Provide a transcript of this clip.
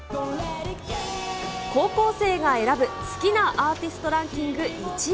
高校生が選ぶ好きなアーティストランキング１位。